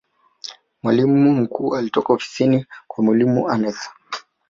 mwalimu mkuu alitoka ofisini kwa mwalimu aneth